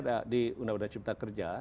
ada di undang undang cipta kerja